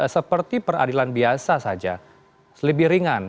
seperti peradilan biasa saja lebih ringan